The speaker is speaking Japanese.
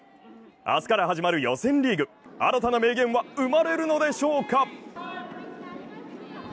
明日から始まる予選リーグ、新たな名言は生まれるのでしょうか。